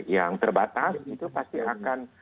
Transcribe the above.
yang terbatas itu pasti akan